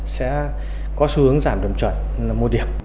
sẽ có xu hướng giảm điểm chuẩn là một điểm